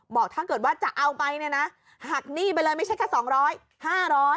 บอกถ้าเกิดว่าจะเอาไปเนี่ยนะหักหนี้ไปเลยไม่ใช่แค่๒๐๐๕๐๐